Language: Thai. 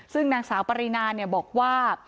ซึ่งนางสาวปรินาบอกว่า